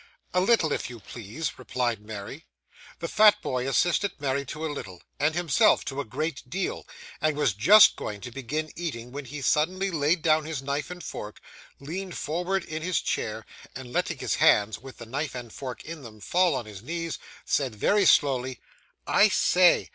'A little, if you please,' replied Mary. The fat boy assisted Mary to a little, and himself to a great deal, and was just going to begin eating when he suddenly laid down his knife and fork, leaned forward in his chair, and letting his hands, with the knife and fork in them, fall on his knees, said, very slowly 'I say!